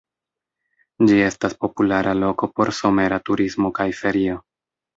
Ĝi estas populara loko por somera turismo kaj ferio.